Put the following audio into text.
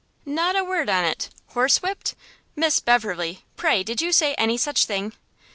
"Not a word on't! Horse whipt! Miss Beverley, pray did you say any such thing?"